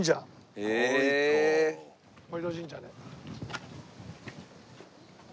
森戸神社。